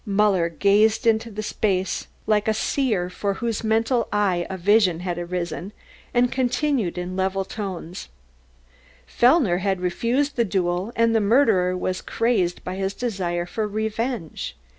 Muller gazed into space like a seer before whose mental eye a vision has arisen, and continued in level tones: "Fellner had refused the duel and the murderer was crazed by his desire for revenge.